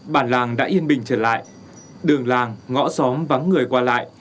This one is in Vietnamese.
bản làng đã yên bình trở lại đường làng ngõ xóm vắng người qua lại